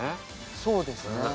そうですね。